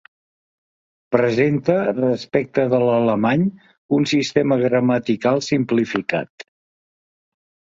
Presenta respecte de l'alemany un sistema gramatical simplificat.